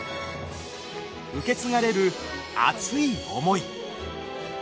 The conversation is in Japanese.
受け継がれる熱い思い。